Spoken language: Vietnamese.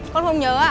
con không nhớ à